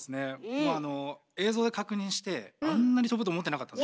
まああの映像で確認してあんなに跳ぶと思ってなかったので。